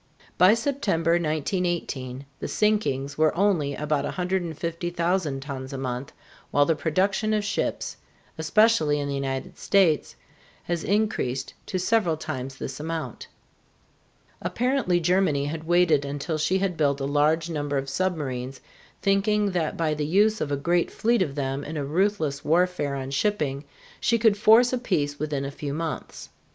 By September, 1918, the sinkings were only about 150,000 tons a month, while the production of ships, especially in the United States, has increased to several times this amount. Apparently Germany had waited until she had built a large number of submarines, thinking that by the use of a great fleet of them in a ruthless warfare on shipping she could force a peace within a few months.